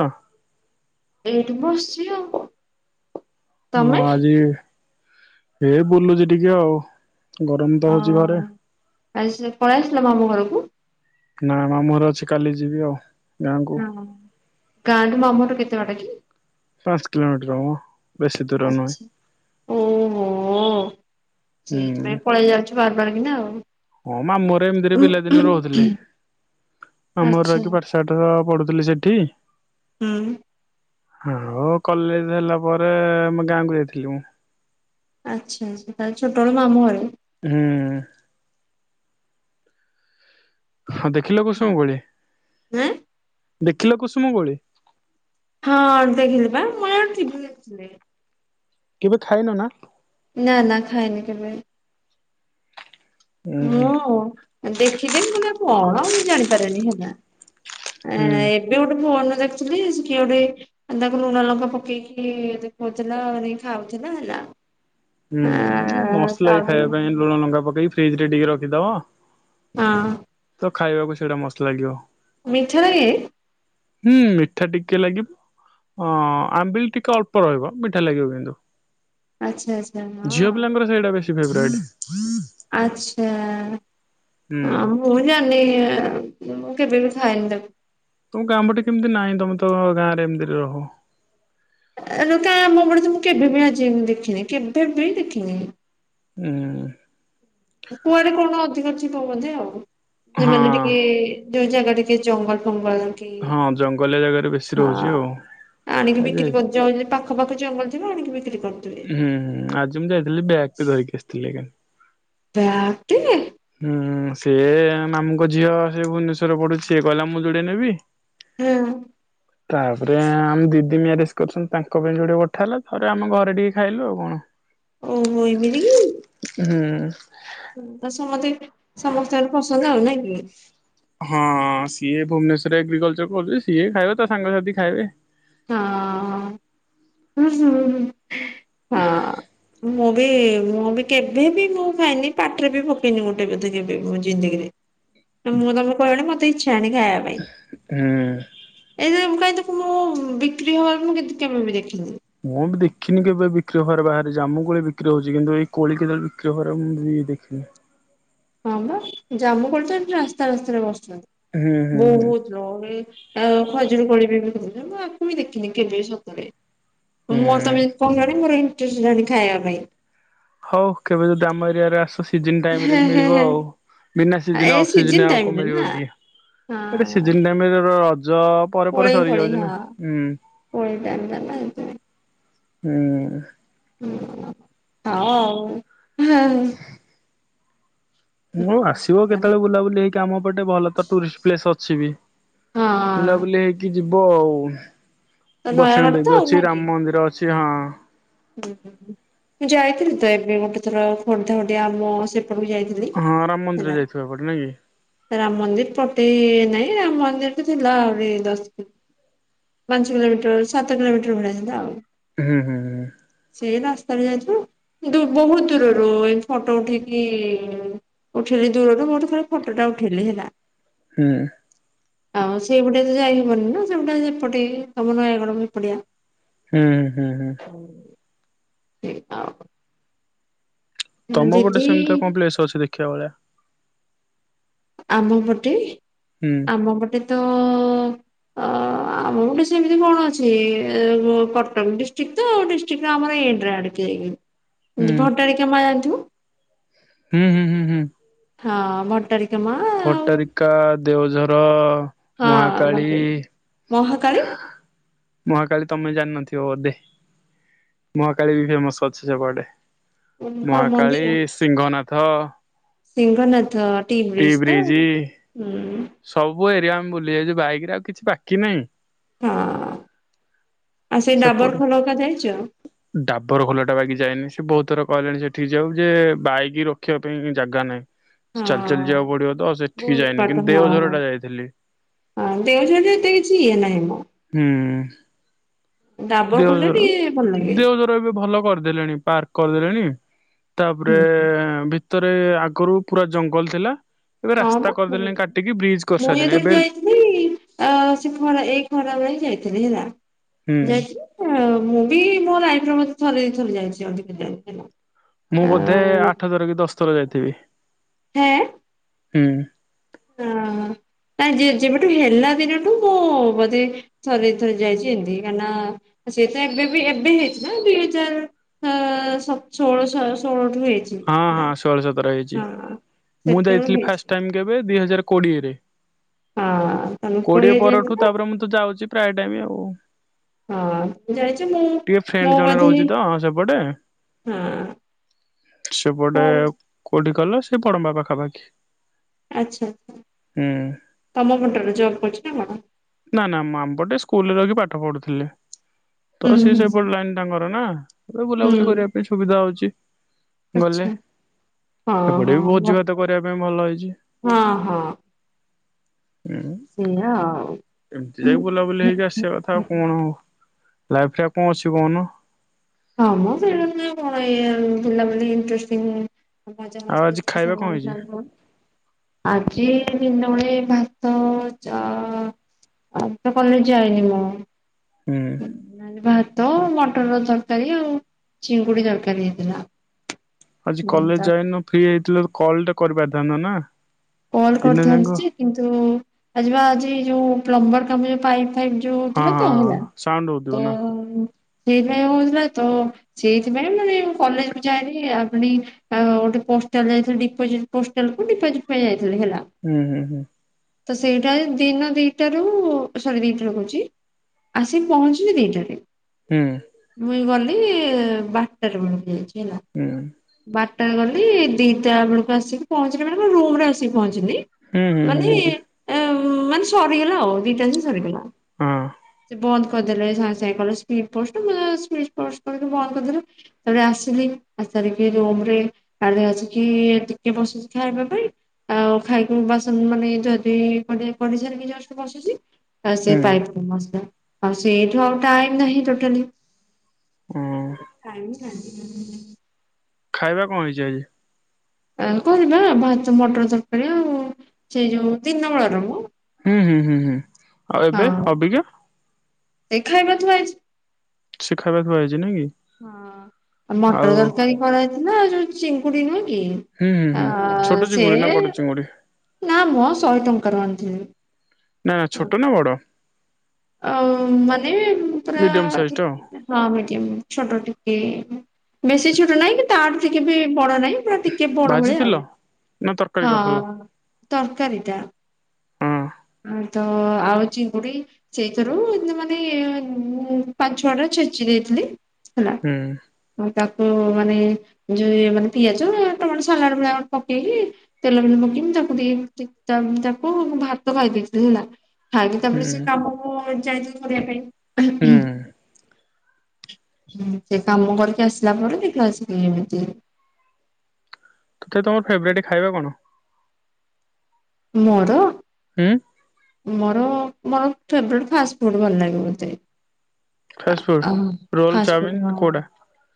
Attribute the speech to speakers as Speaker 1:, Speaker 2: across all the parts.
Speaker 1: ହଁ।
Speaker 2: ଏଇଟି ବସିଚି ଆଉ କ
Speaker 1: ମୁଁ ଆଜି ଏ ବୁଲୁଛି ଟିକେ ଆଉ। ଗରମ ତ
Speaker 2: ଓ
Speaker 1: ହଉଛି ଘରେ
Speaker 2: [unintelligible] ପଳେଇ ଆସିଲ ମାମୁଁ ଘରୁ।
Speaker 1: ନା ମାମୁଁ ଘରେ ଅଛି କାଲି ଯିବି ଆଉ। ଗାଁକୁ।
Speaker 2: ହଁ ଗାଁ ଠୁ ମାମୁଁ ଘର କେ ତେ ବାଟ କି?
Speaker 1: ପାଞ୍ଚ କିଲୋମିଟର ମ।
Speaker 2: ଆଚ୍ଛା ଉଁ ହୁଁ
Speaker 1: ହୁଁ।
Speaker 2: ସେଇଥିପାଇଁ ପଳେଇ ଯାଉଛ ବାରବାର କି ନା ଆଉ।
Speaker 1: ହଁ ମାମୁଁ ଘରେ ଏମିତିରେ ପିଲାଦିନେ ରହୁଥିଲି ମାମୁଁ ଘରେ
Speaker 2: ଆଚ୍ଛା।
Speaker 1: ରହିକି ପାଠଶାଠର ପଡୁ ଥିଲି ସେଠି
Speaker 2: ହୁଁ।
Speaker 1: ଆଉ କଲେଜ ହେଲା ପରେ ଆମ ଗାଁକୁ ଯାଇଥିଲି ମୁଁ।
Speaker 2: ଆଚ୍ଛା ଆଚ୍ଛା ତା ହେଲେ ଛୋଟବେଳେ ମାମୁଁ ଘରେ?
Speaker 1: ହୁଁ। ହଁ ଦେଖିଲ କୁସୁମ ଗୋଳି?
Speaker 2: ହଁ।
Speaker 1: [inaudible] ଦେଖିଲ କୁସୁମ ଗୋଳି?
Speaker 2: ଆଁ ହଁ ଦେଖିଲି ବା [unintelligible]
Speaker 1: କେବେ ଖାଇନ ନା?
Speaker 2: ନା ନା ଖାଇନି କେବେ।
Speaker 1: ହୁଁ ହୁଁ
Speaker 2: ମୁଁ ଦେଖିଥିବି ପୁଣି କଣ ମୁଁ ଜାଣିପାରେନି ହେଲା। ଆଁ
Speaker 1: ହୁଁ।
Speaker 2: ଏବେ ଗୋଟେ ଫୋନ ଦେଖୁଥିଲି ସେ କିଏ ଗୋଟେ ତାକୁ ଲୁଣ ଲଙ୍କା ପକେଇକି ଦେଖଉଥିଲା ଭାରି ଖାଉଥିଲା ହେଲା।
Speaker 1: ହୁଁ
Speaker 2: ଆ
Speaker 1: ମସ୍ତ ଲାଗେ
Speaker 2: ତାପରେ
Speaker 1: ଖାଇବା ପାଇଁ ଲୁଣ ଲଙ୍କା ପକେଇକି। ଫ୍ରିଜ୍ ରେ ଟିକେ ରଖିଦେବ।
Speaker 2: ହଁ।
Speaker 1: ଖାଇବାକୁ ସେଇଟା ମସ୍ତ ଲାଗିବ।
Speaker 2: ମିଠା ଲାଗେ?
Speaker 1: ହୁଁ ମିଠା ଟିକେ ଲାଗିବ ଅ ଆମ୍ବିଲ ଟିକେ ଅଳ୍ପ ରହିବ ମିଠା ଲାଗିବ କିନ୍ତୁ।
Speaker 2: ଆଛା ଆଚ୍ଛା ହଁ।
Speaker 1: ଫେଭରାଇଟି।
Speaker 2: ଆଚ୍ଛା।
Speaker 1: ହୁଁ।
Speaker 2: ଆଁ ମୁଁ ଜାଣି କେବେ ବି ଖାଏନି ତାକୁ
Speaker 1: ତମ ଗାଁ ପଟେ କେମିତି ନାହିଁ ତମେ ତ ଗାଁ ରେ ଏମିତି ରେ ରହ।
Speaker 2: କା ମୋ ଆମ ପଟେ ମୁଁ କେଭେ ବି ଆଜି ଯାଏଁ ମୁଁ ଦେଖିନି କେଭେ ବି ଦେଖିନି।
Speaker 1: ହୁଁ।
Speaker 2: କୁଆଡେ କଣ ଅଧିକ ଥିବ ବୋଧେ ଆଉ।
Speaker 1: ହଁ।
Speaker 2: ଯେମାନେ ଟିକେ ଯୋଉ ଜାଗା ଜଙ୍ଗଲ ଫଙ୍ଗ କି
Speaker 1: ହଁ ଜଙ୍ଗଲିଆ ଜାଗାରେ ବେଶୀ
Speaker 2: ହଁ
Speaker 1: ରହୁଛି ଆଉ
Speaker 2: ଆଣିକି
Speaker 1: ଆଜି
Speaker 2: ବିକ୍ରି କରିଯିବ ପାଖ ପାଖ ଜଙ୍ଗଲ ଆଣିକି ବି
Speaker 1: ହୁଁ ହୁଁ ଆଜି ମୁଁ ଯାଇଥିଲି ବ୍ୟାଗ ଟେ ଧରିକି ଆସିଥିଲି ଏକା।
Speaker 2: ବ୍ୟୟାଗ୍ ଟେ
Speaker 1: ହୁଁ ସିଏ ମାମୁଙ୍କ ଝିଅ ସେ ଭୁବନେଶ୍ଵରରେ ପଡୁଛି ସେ କହିଲା ମୁଁ ଯୋଡିଏ ନେବି।
Speaker 2: ହୁଁ।
Speaker 1: ତାପରେ ଆମ ଦିଦି ମ୍ୟାରେଜ କରିଛନ୍ତି ତାଙ୍କ ପାଇଁ ଯୋଡେ ପଠା ହେଲା ତାପରେ ଆମ ଘରେ ଟିକେ ଖାଇଲୁ ଆଉ କଣ।
Speaker 2: ଓହୋ ଏମିତି କିି?
Speaker 1: ହୁଁ।
Speaker 2: ସମସ୍ତେଙ୍କର ପସନ୍ଦ ଆଉ ନା କି?
Speaker 1: ହଁ ସିଏ ଭୁବନେଶ୍ୱରରେ ଏଗ୍ରିକଲଚର କରୁଛି ସିଏ ଖାଇବ ତା ସାଙ୍ଗସାଥି ଖାଇବେ।
Speaker 2: ହଁ ହୁଁ ହୁଁ। ହଁ ମୁଁ ମୁଁ ବି କେବେବି ମୁଁ ଖାଇନି କି ପାଟିରେ ବି ପକେଇନି ମୋଟେ ପକେଇନି ବୋଧେ କେବେ ମୋ ଜିନ୍ଦେଗିରେ, ମୁଁ ତମେ କହିଲନି ମତେ କିଛି ଇଚ୍ଛା ହେଲାଣି ଖାଇବାପାଇଁ
Speaker 1: ହୁଁ।
Speaker 2: ଏଇ ପାଇଁ ଦକୁ ମୁଁ ବିକ୍ରି ହବାର ମୁଁ କେବେ ବି ଦେଖିନି।
Speaker 1: ମୁଁ ବି ଦେଖିନି କେବେ ବିକ୍ରି ହବାରେ ବାହାରେ ଜାମୁ କୋଳି ବିକ୍ରି ହଉଛି କିନ୍ତୁ ଏଇ କୋଳି କେତେବେଳେ ବିକ୍ରି ହୁଏ ମୁଁ ବି କେବେ ଦେଖିନି।
Speaker 2: ହଁ ବା ଜାମୁକୋଳି ତ ଏଠି ରାସ୍ତା ରାସ୍ତାରେ ବସ
Speaker 1: ହୁଁ ହୁଁ ହୁଁ
Speaker 2: ବହୁତ ଲୋକ ଆଉ ଖଜୁରୀ କୋଳି ବି ପୁଣି ଦେଖିନି କେବେ ସତରେ ମୁଁ ର ତମେ [inaudible]
Speaker 1: ହୁଁ
Speaker 2: [inaudible] ଖାଇବା ପାଇଁ।
Speaker 1: ହଉ କେବେ ଯଦି ଆମ ଏରିଆ ରେ ଆସୁଛି ସିଜନ ଟାଇମ ରେ
Speaker 2: ହେଁ ହେଁ
Speaker 1: ମିଳିବ
Speaker 2: ହେଁ।
Speaker 1: ଆଉ ବିନା ସିଜନ
Speaker 2: ଏ
Speaker 1: ଅଫ
Speaker 2: ସିଜିନ
Speaker 1: ସିଜନ ଆଉ
Speaker 2: ଟାଇମରେ
Speaker 1: କୋଉମିଳିବ
Speaker 2: ନା
Speaker 1: କି ଏଟା
Speaker 2: ହଁ
Speaker 1: ସିଜନ୍ ଟାଇମ ରେ ଧର
Speaker 2: କୋଳି ପୋଳି ହଁ କୋଳି ଟାଇମ୍ ଟା ନା ଏଥିପାଇଁ।
Speaker 1: ହୁଁ।
Speaker 2: ହଁ ଆଉ।
Speaker 1: ମୁଁ ଆସିବ
Speaker 2: ହଁ।
Speaker 1: କେତେବେଳେ ବୁଲାବୁଲି ହେଇକି ଆମ ପଟେ ଭଲ ତ ଟୁରିଷ୍ଟ ପ୍ଲେସ ଅଛି ବି ବୁଲା
Speaker 2: ହଁ
Speaker 1: ବୁଲି ଏଇଠି ଯିବ ଆଉ।
Speaker 2: ତ
Speaker 1: ବୈଷ୍ଣ
Speaker 2: ନୟାଗଡ ତ
Speaker 1: ଦେବୀ
Speaker 2: ଆଉ ନା
Speaker 1: ଅଛି,
Speaker 2: କି?
Speaker 1: ରାମ ମନ୍ଦିର ଅଛି। ଅଛି ହଁ।
Speaker 2: ହୁଁ ମୁଁ ଯାଇଥିଲି ତ ଏବେ ଗୋଟେ ଥର ଖୋର୍ଦ୍ଧା ଓଡ଼ିଆ ଆମ ସେ କୁ ଯାଇଥିଲି
Speaker 1: ହଁ ରାମ ମନ୍ଦିର
Speaker 2: ହେଲା
Speaker 1: ଯାଇଥିବ ଏପଟେ ନାଇଁ କି
Speaker 2: ରାମ ମନ୍ଦିର ପଟେ ନାଇଁ ରାମ ମନ୍ଦିର ତ ଥିଲା ଆହୁରି ଦଶ ପାଞ୍ଚ କିଲୋମିଟର ସାତ କିଲୋମିଟର ଭଳିଥିଲା ଆଉ
Speaker 1: ହୁଁ, ହୁଁ, ହୁଁ।
Speaker 2: ସେ ରାସ୍ତାରେ ଯାଇଛୁ, ବହୁତ ଦୂରରୁ ଏ ଫଟୋ ଉଠେଇିକି ଉଠେଇି ଦୂରରୁ ମୋଠୁ ଥରେ ଫଟୋଟା ଉଠେଇଲି ହେଲା।
Speaker 1: ହୁଁ।
Speaker 2: ଆଉ ସେପଟେ ତ ଯାଇ ହବନି ନା ସେ ଗଟେ ସେପଟେ ତମ ନୟାଗଡ ଏପଡିଆ
Speaker 1: ହୁଁ, ହୁଁ, ହୁଁ।
Speaker 2: ସେ ଅଉ
Speaker 1: ତମ ଗୋଟେ ସେମିତି କଣ ପ୍ଲେସ ଅଛି ଦେଖିବା ଭଳିଆ?
Speaker 2: ଆମ ପଟେ
Speaker 1: ହୁଁ
Speaker 2: ଆମ ପଟେ ତ ଅ ଆମ ଗୋଟେ ସେମିତି କଣ ଅଛି କଟକ ଡିଷ୍ଟ୍ରିକ୍ଟ ତ ଡିଷ୍ଟ୍ରିକ୍ଟ ଆମର।
Speaker 1: ହୁଁ
Speaker 2: [unintelligible] ଭଟାରିକା ମା ଜାଣିଥି। [unintelligible]
Speaker 1: ହୁଁ, ହୁଁ, ହୁଁ, ହୁଁ।
Speaker 2: ହଁ ମୋଟରି
Speaker 1: ଫଟାରିକା ଦେଉଝର
Speaker 2: ହଁ [unintelligible] ମହାକାଳୀ
Speaker 1: ମହାକାଳୀ ତମେ ଜାଣିନଥିବ ବଧେ ମହାକାଳୀ ବି ଫେମସ ଅଛ ସେ ପଟେ।
Speaker 2: କଣ
Speaker 1: ମହାକାଳୀ ସିଂଙ୍ଗନାଥ।
Speaker 2: ସିଂଘନାଥ ତି ବ୍ରିଚ ତ ହୁଁ।
Speaker 1: ସବୁ ଏରିଆ ଆମେ ବୁଲି ଆଇଚୁ ବାଇକ ରେ ଆଉ କିଛି ବାକି ନାହିଁ।
Speaker 2: ହଁ ଆଉ ସେଇ
Speaker 1: ସେପଟୁ
Speaker 2: ଡାବର ଖୋଲ ଉକା ଯାଇଛ?
Speaker 1: ଡାବର ଖୋଲା ଟା ବାକି ଯାଇନି ସେ ବହୁତ ଥର କହିଲେଣି ସେଠିକି ଯାଉ ଯେ ବାଇକ ରଖିବା ପାଇଁ ଜାଗା ନାହିଁ।
Speaker 2: ହଁ
Speaker 1: ଚାଲି ଚାଲି ଯିବାକୁ ପଡିବ ତ ସେଠିକି
Speaker 2: ବହୁତ
Speaker 1: ଯାଇନି କିନ୍ତୁ
Speaker 2: ପାଠ ହଁ
Speaker 1: ଦେଓଝର ଟା ଯାଇଥିଲି
Speaker 2: ହଁ ଦେଉଝରି ରେ ଏତେ କିଛି ଇଏ ନାହିଁ ମ।
Speaker 1: ହୁଁ।
Speaker 2: ଡାବର ଖୋଲଟା
Speaker 1: ଦେଓଝର
Speaker 2: ଟିକେ ଭଲ ଲାଗେ
Speaker 1: ଦେଓଝର ଏବେ ଭଲ କରିଦେଲେଣି ପାର୍କ। କରିଦେଲେଣି। ତାପରେ
Speaker 2: ହୁଁ
Speaker 1: ଭି ଭିତରେ ଆଗରୁ ପୁରା ଜଙ୍ଗଲ ଥିଲା। ଏବେ
Speaker 2: ହଁ
Speaker 1: ରାସ୍ତା
Speaker 2: ବା ମୁ
Speaker 1: କରିଦେଲେଣି କାଟିକି ବ୍ରିଜ
Speaker 2: [unintelligible] ମୁଁ
Speaker 1: କରିସାରିଲେଣି
Speaker 2: ଯେତେବେଳେ
Speaker 1: ଏବେ
Speaker 2: ଯାଇଥିଲି ସେ ଖରା ଏଇ ଖରା ବେଳେ ଯାଇ ଥିଲି ହେଲା।
Speaker 1: ହୁଁ
Speaker 2: ଯାଇଥିଲ ମୁଁ ବି ମୋ [unintelligible] ଥରେ ଦି ଥର ଯାଇଚି ଅଧିକ ଯାଇନି ହେଲା।
Speaker 1: ମୁଁ ବୋଧେ
Speaker 2: ଆଁ
Speaker 1: ଆଠ ଥର କିି ଦଶ ଥର ଯାଇଥିବି।
Speaker 2: ହେଁ।
Speaker 1: ହୁଁ।
Speaker 2: ଅ ନାଇ ଯେବେଠୁ ହେଲା ଦିନଠୁ ମୁଁ ବୋଧେ ଥରେ ଦି ଥରି ଯାଇଛି ଏମିତି କାହିଁକି ନା ସେ ତ ଏବେ ବି ଏବେ ହେଇଛି ନା ଦୁଇ ହଜାର ସ ଷୋଳ ଷୋହଳ ହେଇଛି
Speaker 1: ହଁ ହଁ
Speaker 2: ହେଲା
Speaker 1: ଷୋଳ ସତର ହେଇଚି
Speaker 2: ହଁ।
Speaker 1: ମୁଁ
Speaker 2: ସେତେବେଳେ
Speaker 1: ଯାଇଥିଲି
Speaker 2: ହେଇଛି
Speaker 1: ଫାଷ୍ଟ ଟାଇ କେବେ ଦି ହଜାର କୋଡ଼ିଏରେ
Speaker 2: ହଁ ତମେ
Speaker 1: କୋଡିଏ ପରଠୁ
Speaker 2: ଯାଇଥିଲ
Speaker 1: ତାପରେ ମୁଁ ତ ଯାଉଚି ପ୍ରାୟ ଟାଇମ ଆଉ। [unintelligible]
Speaker 2: ହଁ ଯାଇଚି ମୁଁ
Speaker 1: ଟିକେ ଫ୍ରେଣ୍ଡ
Speaker 2: ମୁଁ
Speaker 1: ଜଣେ
Speaker 2: ବୋଧେ
Speaker 1: ରହୁଛି ତ ସେପଟେ
Speaker 2: ହଁ। ମୋ
Speaker 1: ସେପଟେ କଲ ସେଇ ବଡମ୍ବା ପାଖାପାଖି।
Speaker 2: ଆଚ୍ଛା
Speaker 1: ହୁଁ
Speaker 2: ତମ ପଟରୁ ଜବ କରୁଚି ନା କଣ?
Speaker 1: ନା ନା ମାମପଟେ ସ୍କୁଲ ରହିକି ପାଠ ପଢୁଥିଲେ। ତ
Speaker 2: ହୁଁ
Speaker 1: ସିଏ ସେପଟ
Speaker 2: ହୁଁ
Speaker 1: ଲାଇନ ତାଙ୍କର ନା। ତାପରେ ବୁଲାବୁଲି
Speaker 2: ହୁଁ।
Speaker 1: କରିବା ପାଇଁ ସୁବିଧା ହଉଚି। ଗଲେ।
Speaker 2: ଆଚ୍ଛା ହଁ
Speaker 1: ସେପଟେ
Speaker 2: ହଁ
Speaker 1: ବି
Speaker 2: ଭ
Speaker 1: ଭୋଜି ଭାତ କରିଆ ପାଇଁ ଭଲ ହେଇଛି।
Speaker 2: ହଁ ହଁ
Speaker 1: ହୁଁ
Speaker 2: ସେଇଆ ଆଉ।
Speaker 1: ଏମିତି ଯାଇକି ବୁଲାବୁଲି ହେଇକି ଆସିବା କଥା ଆଉ କଣ। ଲାଇଫରେ ଆଉ କଣ ଅଛି କଉନ।
Speaker 2: ହଁ ମ [unintelligible] ହେଲା ବୋଲି ଇଣ୍ଟରେଷ୍ଟଟିଂ ମଜା
Speaker 1: ଆଉ
Speaker 2: ମସ୍ତି
Speaker 1: ଆଜି
Speaker 2: ଟିକେ
Speaker 1: ଖାଇବା କଣ
Speaker 2: ସାଙ୍ଗମାନଙ୍କ
Speaker 1: ହେଇଛି?
Speaker 2: ସାଙ୍ଗରେ [unintelligible] ଆଜି ଦିନବେଳେ ଭାତ ଚା [unintelligible] କଲେଜ ଯାଇନି ମୁଁ।
Speaker 1: ହୁଁ
Speaker 2: [unintelligible] ଭା ତ ମଟରର [unintelligible] ତରକାରି ଆଉ ଚିଙ୍ଗୁଡି ତରକାରି ହେଇଥିଲା।
Speaker 1: ଆଜି
Speaker 2: ହୁଁ
Speaker 1: କଲେଜ
Speaker 2: ତା
Speaker 1: ଯାଇନ ଫ୍ରି ହେଇଥିଲେ କଲଟେ କରିପାରିଥାନ୍ତ ନା।
Speaker 2: କଲ
Speaker 1: ଦିନ ଯାକ।
Speaker 2: କରିଥାନ୍ତି ଯେ କିନ୍ତୁ ଆଜିବା ଆଜି ଯୋଉ ପ୍ଲମ୍ବର ତମେ ଯୋଉ ପାଇପ୍ ଫାଇପ୍ [unintelligible]
Speaker 1: ହଁ ହଁ
Speaker 2: ତ
Speaker 1: ହଁ
Speaker 2: ହେଲା
Speaker 1: ସାଉଣ୍ଡ ହଉଥିବ
Speaker 2: ତ
Speaker 1: ନା?
Speaker 2: ଉଁ ସେଇଥିପାଇଁ ହଉଥିଲା ତ ସେଇଥିପାଇଁ ମାନେ ମୁଁ କଲେଜକୁ ଯାଇିନି ଆଉପୁଣି ଅଁ ଗୋଟେ ପୋଷ୍ଟାଲ ଯାଇଥିଲି ଡିପୋଜିଟ୍ ପୋଷ୍ଟାଲକୁ ଡିପୋଜିଟ୍ ପାଇଁ ଯା
Speaker 1: ହୁଁ ହୁଁ ହୁଁ।
Speaker 2: ତ ସେଇଟାରେ ଦିନ ଦିଟାରୁ ସରି ଦିଟାରୁ କହୁଛି ଆସି ପହଞ୍ଚିଲି ଦିଟାରେ।
Speaker 1: ହୁଁ
Speaker 2: ମୁଇଁ ଗଲେ [unintelligible] ବାଟରେ [unintelligible] ହେଲା
Speaker 1: ହୁଁ
Speaker 2: ବାଟ୍ [unintelligible] ଗଲି ଦିଟା ବେଳକୁ ଆସିକି ପହଞ୍ଚିଲି ମାନେ [unintelligible] ରୁମ୍ ରେ ଆସି ପହଞ୍ଚିଲି।
Speaker 1: ହୁଁ ହୁଁ ହୁଁ ହୁଁ
Speaker 2: ମାନେ
Speaker 1: ହୁଁ।
Speaker 2: ଏଁ ହଁ ମାନେ ସରିଗଲା ଆଉ ଦିଟା ଭିତରେ ସରିଗଲା। ସେ ବନ୍ଦ୍ କରିଦେଲେ ସାଙ୍ଗେ ସାଙ୍ଗେ କହିଲେ ସ୍ପିଡ୍ ପୋଷ୍ଟ [unintelligible] ସ୍ପିଡ୍ ପୋଷ୍ଟ କରିକି ବନ୍ଦ କରିଦେଲେ। ତାପରେ ଆସିଲି ଆସିସାରିକି ରୁମରେ [unintelligible] ଆସିକି ଟିକେ ବସିଚି ଖାଇବା ପାଇଁ ଆଉ ଖାଇକି ମୁଁ ବାସନ୍ ମାନେ ଯଦି ପଢ଼େ ପଢ଼ିସାରିକି ଜଷ୍ଟ ବସିଚି [unintelligible] ପାଇପ୍ [unintelligible] ଆଉ ସେଉଠୁ ଆଉ ଟାଇମ୍ ନାହିଁ ଟୋଟାଲି
Speaker 1: ହଁ
Speaker 2: [unintelligible] [unintelligible]
Speaker 1: ଖାଇବା କ ହେଇଛି ଆଜି।
Speaker 2: ଆଙ୍କ ହେବା ଭାତ ମଟର ତରକାରୀ ଆଉ ସେଇ ଯୋଉ ଦିନ ବେଳା ର ମ।
Speaker 1: ହୁଁ ହୁଁ ହୁଁ ହୁଁ। ଆଉ ଏବେ ଅବିକା
Speaker 2: ଏ ଖାଇବା ବା ଥୁଆହେଇଛି।
Speaker 1: ସେ ଖାଇବା କୁ ଆଇଛି ନାହିଁ କି?
Speaker 2: ହଁ ମଟର
Speaker 1: ଆଉ
Speaker 2: ତରକାରୀ କରାଜାଇଥିଲା ଆଉ ଯୋଉ ଚିଙ୍ଗୁଡ଼ି ନାଁ କେ
Speaker 1: ହୁଁ ହୁଁ
Speaker 2: ଆ
Speaker 1: ହୁଁ। ଛୋଟ
Speaker 2: ସେ
Speaker 1: ଚିଙ୍ଗୁଡି ନା ବଡ ଚିଙ୍ଗୁଡି
Speaker 2: ନା ମୋସ ସହେ ଟଙ୍କାର ଆଣିଥିଲି।
Speaker 1: ନା ଛୋଟ ନା ବଡ଼?
Speaker 2: ଆଉ ମାନେ ହୁଁ ପରା
Speaker 1: ମିଡିୟମ ସାଇଜ
Speaker 2: ଧି
Speaker 1: ଟା ଆଉ
Speaker 2: ମିଡିୟମ୍ ହଁ ମିଡିୟମ୍ ଛୋଟଟେ। କେ ବେଶୀ ଛୋଟ ନାହିଁ କି ତାଠୁ ଟିକେ ବି ବଡ ନାହିଁ। ଟିକେ ବଡ ଭଳିଆ
Speaker 1: ଭାଜିଥିଲ?
Speaker 2: ଆଉ
Speaker 1: ନା ତରକାରୀ କରିଥିଲ?
Speaker 2: ହଁ ତରକାରୀ ଟା
Speaker 1: ହଁ
Speaker 2: ତ ଆଳୁ ଚିଙ୍ଗୁଡି ସେଇଥିରୁ ମାନେ ପାଞ୍ଚ ଛଟା ଛେଚି ଦେଇଥିଲି ହେଲା
Speaker 1: ହୁଁ
Speaker 2: ତାକୁ ମାନେ ଯୋଉ ମାନେ ପିଆଜ ଟମାଟୋ ସାଲାଡ ଭଳିଆ ପକେଇକି ତେଲ ବି ପକେଇକି ତାକୁ ଦେଇ ତାକୁ ଭାତ ଖାଇ ଦେଇଥିଲି ହେଲା। ଖାଇକି
Speaker 1: ହୁଁ
Speaker 2: ତାପରେ ସେ [inaudible] କରିବା ପାଇଁ
Speaker 1: ହୁଁ।
Speaker 2: ସେ କାମ କରିକି ଆସିଲା ପରେ ଦେଖିଲା ଆସିକି ଏମିତି
Speaker 1: [inaudible] ତମର ଫେବରାଇଟ ଖାଇବା କଣ?
Speaker 2: ମର
Speaker 1: ଉଁ
Speaker 2: ମୋର ମୋର ଫେବରେଟ ଫାଷ୍ଟ ଫୁଡ ଭନ ଲାଗେ ମୋତେ ଅ
Speaker 1: ଫାଷ୍ଟଫୁଡ?
Speaker 2: ହା
Speaker 1: ରୋଲ
Speaker 2: ଫାଷ୍ଟଫୁଡ
Speaker 1: ଚାଉମିିନ
Speaker 2: ହଁ
Speaker 1: କୋଉଟା?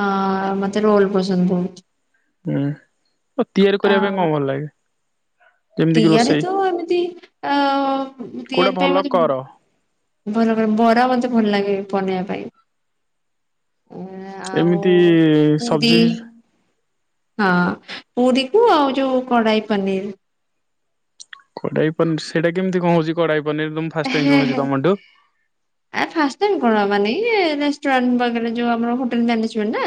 Speaker 2: ହଁ ମତେ ରୋଲ ପସନ୍ଦ ବହୁତୁ
Speaker 1: ହୁଁ ଓ ତିଆରି କରିବା ପାଇଁ କଣ ଭଲ ଲାଗେ? ଯେମିତି କିି
Speaker 2: ତିଆରି
Speaker 1: ରୋଷେଇ
Speaker 2: ତ ଏମିତି ଅ
Speaker 1: କୋଉଟା
Speaker 2: ତିଆରି ପାଇଁ
Speaker 1: ଭଲ
Speaker 2: ମତେ
Speaker 1: କର
Speaker 2: ଭଲ ବରା ମତେ ଭଲ ଲାଗେ। ପନିବା ପାଇଁ ଆଉ
Speaker 1: ଏମିତି
Speaker 2: ପୁରୀ
Speaker 1: ସବଜି ବି
Speaker 2: ହଁ ପୁରୀକୁ ଆଉ ଯୋଉ କଢାଇ ପନିର
Speaker 1: କଡାଇ ପନିର ସେଇଟା କେମିତି କଣ ହଉଛି କଡାଇ ଫାଷ୍ଟ ଟାଇମ୍
Speaker 2: ହେ ହେ
Speaker 1: ଜାଣୁଛି ତମଠୁ।
Speaker 2: ଆ ଫାଷ୍ଟ ଟାଇମ ମାନେ ରେଷ୍ଟୁରାଣ୍ଟ ପାକରେ ଯୋଉ ଆମର ହୋଟଲ ମ୍ୟାନେ ନା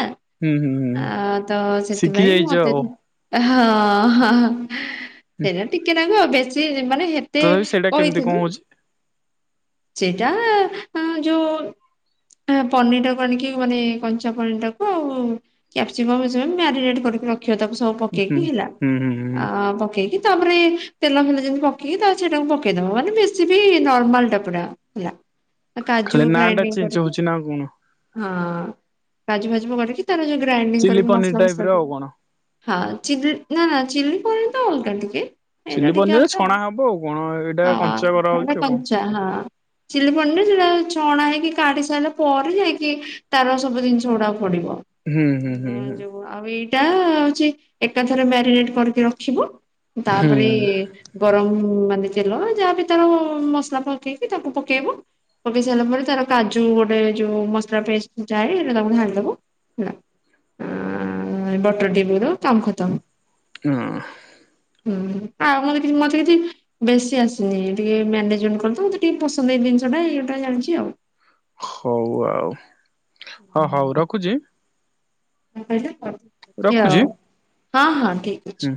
Speaker 1: ହୁଁ ହୁଁ ହୁଁ
Speaker 2: ତ
Speaker 1: ଶିଖି
Speaker 2: ସେଥିପାଇଁ
Speaker 1: ଯାଇଛ
Speaker 2: ମତେ
Speaker 1: ଆଉ
Speaker 2: ହଁ ହଁ ସେଟା ଟିକେ ନାଗୁ ଅଭ୍ୟା ମାନେ ହେତେ
Speaker 1: ତଥାପି ସେଇଟା କେମିତି କଣ
Speaker 2: କହିଥିଲି।
Speaker 1: ହଉଛି
Speaker 2: ସେଇଟା ଯୋଉ ପନିର ଟାକୁ ଆଣିକି ମାନେ କଞ୍ଚା ପନିର ଟାକୁ କ୍ୟାପସିକମ୍ ଏ ମ୍ୟାରିନେଟ କରିକି ରଖ କ୍ଷ ତାକୁ ସବୁ
Speaker 1: ହୁଁ
Speaker 2: ପକେଇକି ହେଲା
Speaker 1: ହୁଁ ହୁଁ ହୁଁ
Speaker 2: ପକେଇକି ତାପରେ ତେଲ ଫେଲ ଯେମିତି ପକେଇକି ତା ସେଟାକୁ ପକେଇଦବ ମାନେ ବେଶୀ ବି ନର୍ମାଲ ଟା [unintelligible] କାଜୁ
Speaker 1: ଖାଲି ନା ଟା
Speaker 2: ଗ୍ରାଇଣ୍ଡିଙ୍ଗ
Speaker 1: ଚେଞ୍ଜ
Speaker 2: କରିକି
Speaker 1: ହଉଛି ନା କଣ
Speaker 2: ହଁ। କାଜୁ ଫାଜୁ ପଡ଼ିକି ତାର ଯୋଉ ଗ୍ରାଇଡିଙ୍ଗ
Speaker 1: ଚିଲି
Speaker 2: କରିକି
Speaker 1: ପନିର
Speaker 2: ମସଲା
Speaker 1: ଟାଇପ
Speaker 2: ମସଲା
Speaker 1: ର ଆଉ
Speaker 2: ଦେଇ
Speaker 1: କଣ
Speaker 2: ହଁ ଚିଲି ନା ନା ଚିଲି ପନିର୍ ଅଲଗା ଟିକେ ଏଇଟା
Speaker 1: ଚିଲି
Speaker 2: ଟିକେ
Speaker 1: ପନିରରେ
Speaker 2: ଅଲଗା
Speaker 1: ଛଣା ହବ ଆଉ କଣ ଏଇଟା
Speaker 2: ହଁ
Speaker 1: କଞ୍ଚା
Speaker 2: ଏଇଟା
Speaker 1: କରାହଉଚି ଆଉ କଣ?
Speaker 2: କଞ୍ଚା ହଁ। ଚିଲି ପନିନ୍ ରେ ଛଣା ହେଇକି କାଢି ସାରିଲା ପରେ ଯାଇକି ତାର ସବୁ ଜିନିଷ ଗୁଡା ପଡିବ
Speaker 1: ହୁଁ ହୁଁ ହୁଁ
Speaker 2: ହଁ ଯୋଉ ଆଉ ଏଇ ଟା ହଉଚି ଏକାଥରେ ମ୍ୟାରିନେଟ୍ କରିକି ରଖିବ।
Speaker 1: ହୁଁ
Speaker 2: ତାପରେଏ
Speaker 1: ହୁଁ
Speaker 2: ଗରମ ମାନେ ତେଲ ଯାହା ବି ତାରଅ ମସଲା ପକେଇ ତାକୁ ପକେଇବୁ ପକେଇ ସାଇଲା ପରେ ତାର କାଜୁ ଗୋଟେ ଯୋଉ ମସଲା ପେଷ୍ଟ ଯାଏ। ସେଇଟା ତାକୁ ଧାଳିଦବ ହେଲା। ଆଁ ବଟର ଟିକେ ପକେଇ ଦବ କାମ୍ ଖତମ୍।
Speaker 1: [inaudible]
Speaker 2: ହୁଁ ଆଉ ମତେ କିଛି ମତେ କିଛି ବେଶୀ ଆସିନି ଟିକେ ମ୍ୟାନେଜମେଣ୍ଟ କରି ଦବୁ। ଟି ପସନ୍ଦ ଏଇ ଜିନିଷ ଟା ଏଇଗୋଟା ଜାଣିଚି ଆଉ।
Speaker 1: ହଉ ଆଉ। ହଉ ରଖୁଚି।
Speaker 2: କଅଁ କହିଲେ? ଅଛି ଆଉ
Speaker 1: ରଖୁଚି।
Speaker 2: ହଁ ହଁ। ଠିକ୍ ଅଛି।